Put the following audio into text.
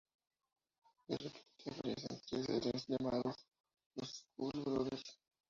De repente aparecen tres seres llamados los "Skull Brothers".